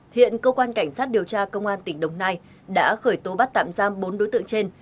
hiện cơ quan cảnh sát điều tra công an tỉnh đồng nai đã khởi tố bắt tạm giam bốn đối tượng trên